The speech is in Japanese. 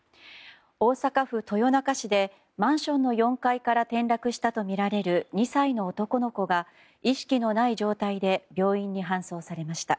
大阪府豊中市でマンションの４階から転落したとみられる２歳の男の子が意識のない状態で病院に搬送されました。